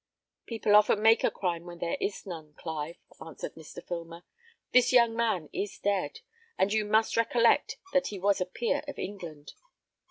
"People often make a crime where there is none, Clive," answered Mr. Filmer. "This young man is dead, and you must recollect that he was a peer of England."